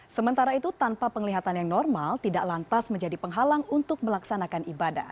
sementara itu tanpa penglihatan yang normal tidak lantas menjadi penghalang untuk melaksanakan ibadah